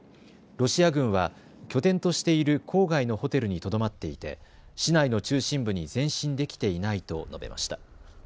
ロシア軍は拠点としている郊外のホテルにとどまっていて市内の中心部に前進できていないと述べました。